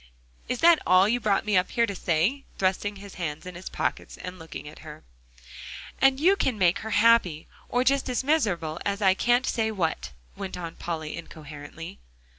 Is that all you brought me up here to say?" thrusting his hands in his pockets and looking at her. "And you can make her happy, or just as miserable as I can't say what," went on Polly incoherently.